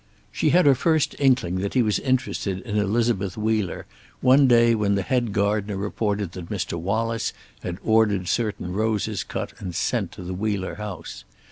She had her first inkling that he was interested in Elizabeth Wheeler one day when the head gardener reported that Mr. Wallace had ordered certain roses cut and sent to the Wheeler house.